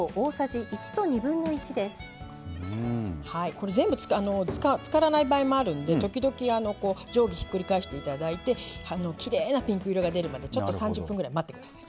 これ全部漬からない場合もあるんで時々上下ひっくり返していただいてきれいなピンク色が出るまで３０分ぐらい待ってください。